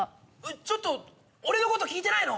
ちょっと俺のこと聞いてないの？